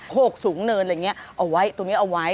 โคกสูงเนินอะไรอย่างนี้เอาไว้ตรงนี้เอาไว้